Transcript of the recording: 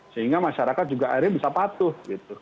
sehingga masyarakat juga akhirnya bisa patuh